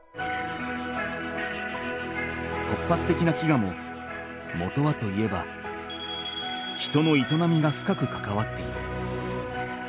突発的な飢餓ももとはといえば人の営みが深くかかわっている。